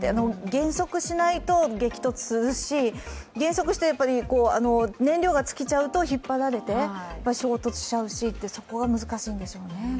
減速しないと激突するし減速して燃料が尽きちゃうと引っ張られて衝突しちゃうしと、そこが難しいんでしょうね。